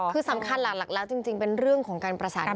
คือสำคัญหลักแล้วจริงเป็นเรื่องของการประสานงาน